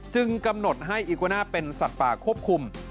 กำหนดให้อีกวาน่าเป็นสัตว์ป่าควบคุม